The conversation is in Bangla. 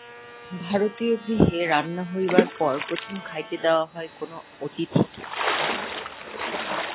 ভারতীয় গৃহে রান্না হইবার পর প্রথম খাইতে দেওয়া হয় কোন অতিথিকে।